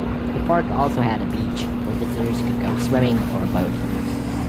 The park also had a beach where visitors could go swimming or boating.